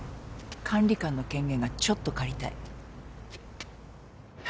管理官の権限がちょっと借りたい。